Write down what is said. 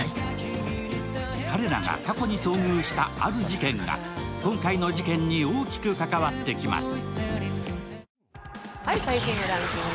彼らが過去に遭遇したある事件が今回の事件に大きく関わってきます。